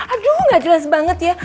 aduh gak jelas banget ya